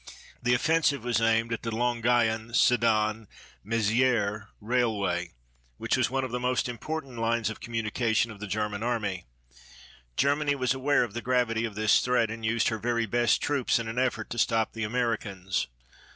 The offensive was aimed at the Longuyon Sedan Mézierès railway, which was one of the most important lines of communication of the German Army. Germany was aware of the gravity of this threat and used her very best troops in an effort to stop the Americans.